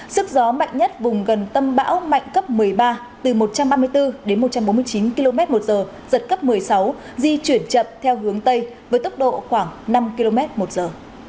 sức gió mạnh nhất vùng gần tâm bão mạnh cấp một mươi ba từ một trăm ba mươi bốn đến một trăm bốn mươi chín km một giờ giật cấp một mươi sáu di chuyển chậm theo hướng tây với tốc độ khoảng năm km một giờ